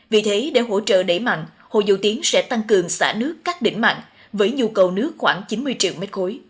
vì thế để hỗ trợ đẩy mặn hồ dâu tiến sẽ tăng cường xả nước các đỉnh mặn với nhu cầu nước khoảng chín mươi triệu m ba